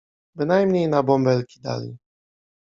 Bynajmniej na bąbelki dali.